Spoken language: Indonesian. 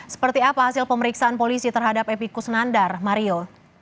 seperti apa hasil pemeriksaan polisi terhadap epi kusnandar mario